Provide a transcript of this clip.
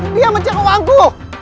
dia mencari wangku